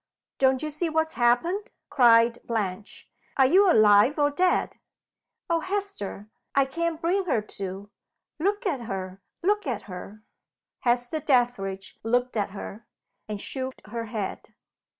"Don't you see what's happened?" cried Blanche. "Are you alive or dead? Oh, Hester, I can't bring her to! Look at her! look at her!" Hester Dethridge looked at her, and shook her head.